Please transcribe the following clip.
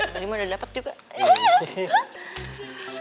tadi mau udah dapet juga